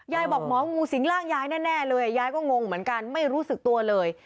บอกหมองูสิงร่างยายแน่เลยยายก็งงเหมือนกันไม่รู้สึกตัวเลย